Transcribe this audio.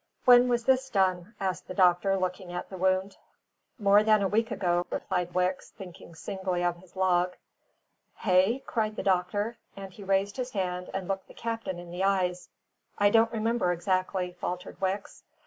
"When was this done?" asked the doctor, looking at the wound. "More than a week ago," replied Wicks, thinking singly of his log. "Hey?" cried the doctor, and he raised his hand and looked the captain in the eyes. "I don't remember exactly," faltered Wicks.